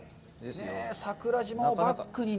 桜島をバックにね。